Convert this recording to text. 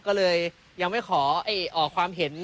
ก็เลยยังไม่ขอความเห็น